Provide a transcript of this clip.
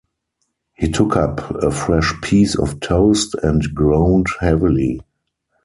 He took up a fresh piece of toast, and groaned heavily.